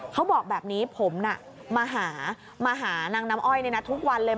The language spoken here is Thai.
เขาบอกแบบนี้ผมมาหามาหานางน้ำอ้อยทุกวันเลย